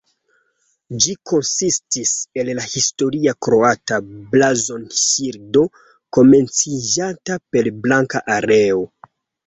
Ĝi konsistis el la historia kroata blazonŝildo, komenciĝanta per blanka areo.